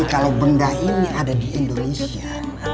kalau benda ini ada di indonesia